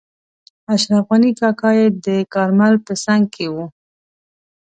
اشرف غني کاکا یې د کارمل په څنګ کې وو.